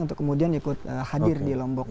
untuk kemudian ikut hadir di lombok